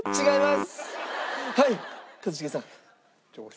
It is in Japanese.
違います！